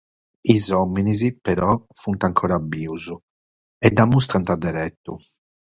Sos òmines però sunt ancora bios e l'ammustrant deretu.